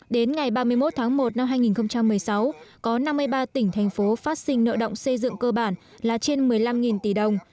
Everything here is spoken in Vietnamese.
đến ngày ba mươi một tháng một năm hai nghìn một mươi sáu có năm mươi ba tỉnh thành phố phát sinh nợ động xây dựng cơ bản là trên một mươi năm tỷ đồng